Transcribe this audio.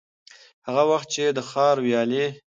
هغه وخت چي د ښار ويالې،